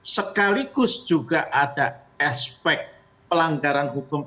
sekaligus juga ada aspek pelanggaran hukum